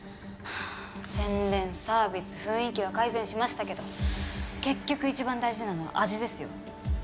宣伝サービス雰囲気は改善しましたけど結局一番大事なのは味ですよ。